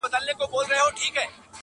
• خو زړې نښې پاتې وي تل..